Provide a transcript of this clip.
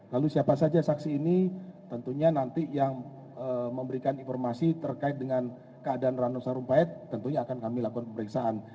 lalu siapa saja saksi ini tentunya nanti yang memberikan informasi terkait dengan keadaan ranu sarumpait tentunya akan kami lakukan pemeriksaan